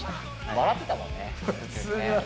笑ってたもんね。